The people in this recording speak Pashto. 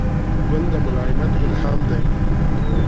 ګل د ملایمت الهام دی.